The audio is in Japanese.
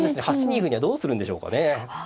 ８ニ歩にはどうするんでしょうかね。